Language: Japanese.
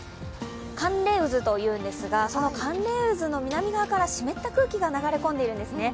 寒冷渦というのですが、その寒冷渦の南側から湿った空気が流れ込んでるんですね。